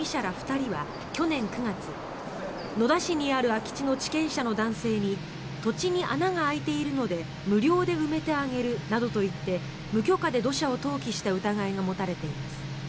２人は去年９月、野田市にある空き地の地権者の男性に土地に穴が開いているので無料で埋めてあげるなどと言って無許可で土砂を投棄した疑いが持たれています。